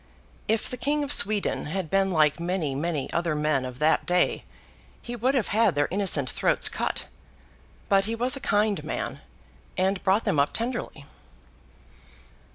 If the King of Sweden had been like many, many other men of that day, he would have had their innocent throats cut; but he was a kind man, and brought them up tenderly.